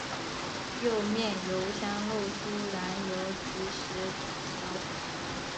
右面油箱漏出燃油即时着火。